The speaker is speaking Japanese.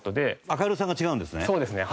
明るさが違うんですね。